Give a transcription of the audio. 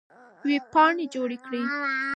وېبپاڼې جوړې کړئ.